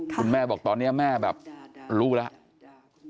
คุณแม่บอกตอนนี้แม่แบบรู้แล้ว